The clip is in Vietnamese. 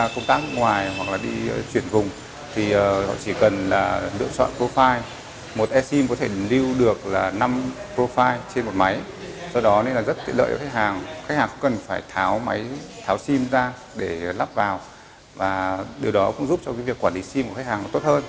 cho việc quản lý sim của khách hàng tốt hơn